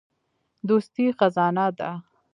دوستي خزانه ده.